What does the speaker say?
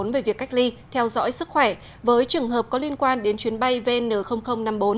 về việc cách ly theo dõi sức khỏe với trường hợp có liên quan đến chuyến bay vn năm mươi bốn